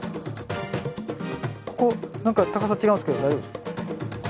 ここなんか高さ違うんすけど大丈夫ですか？